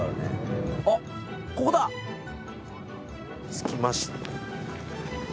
着きました。